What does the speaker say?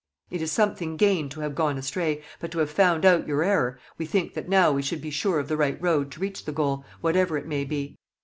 It is something gained to have gone astray, but to have found out your error; we think that now we should be sure of the right road to reach the goal, whatever it may be.